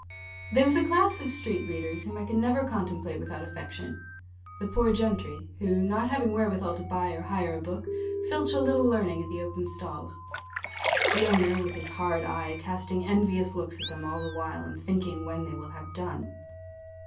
There is a class of street readers, whom I can never contemplate without affection the poor gentry, who, not having wherewithal to buy or hire a book, filch a little learning at the open stalls the owner, with his hard eye, casting envious looks at them all the while, and thinking when they will have done.